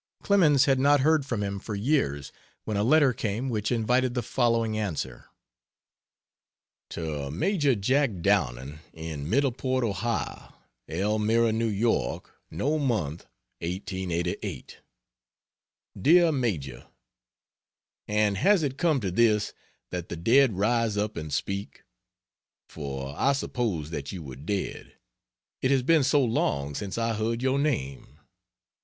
Clemens had not heard from him for years when a letter came which invited the following answer. To Major "Jack" Downing, in Middleport Ohio: ELMIRA, N. Y.[no month] 1888. DEAR MAJOR, And has it come to this that the dead rise up and speak? For I supposed that you were dead, it has been so long since I heard your name.